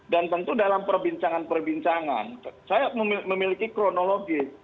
dan tentu dalam perbincangan perbincangan saya memiliki kronologi